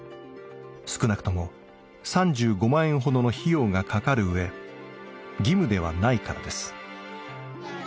少なくとも３５万円ほどの費用がかかるうえ義務ではないからです。